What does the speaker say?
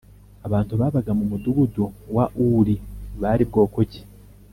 Abantu babaga mu mudugudu wa Uri bari bwoko ki